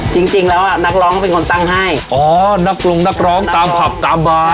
จริงจริงแล้วอ่ะนักร้องเป็นคนตั้งให้อ๋อนักปรุงนักร้องตามผับตามบาร์